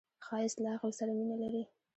ښایست له عقل سره مینه لري